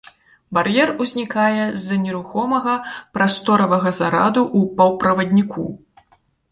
Бар'ер узнікае з-за нерухомага прасторавага зараду ў паўправадніку.